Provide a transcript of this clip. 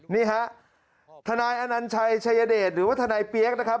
นี่ฮะทนายอนัญชัยชัยเดชหรือว่าทนายเปี๊ยกนะครับ